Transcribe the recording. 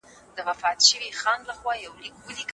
تاسي کله له دغي هټې څخه راغلاست؟